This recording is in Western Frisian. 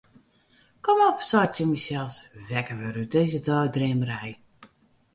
Kom op, sei ik tsjin mysels, wekker wurde út dizze deidreamerij.